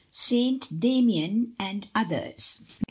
ST. DAMIAN AND OTHERS.